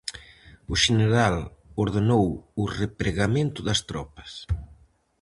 O xeneral ordenou o repregamento das tropas.